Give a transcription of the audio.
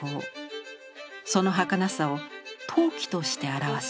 その儚さを陶器として表す。